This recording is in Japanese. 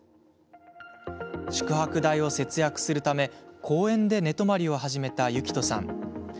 宿泊代を節約するため公園で寝泊まりを始めたユキトさん。